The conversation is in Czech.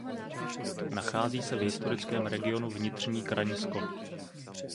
Nachází se v historickém regionu Vnitřní Kraňsko.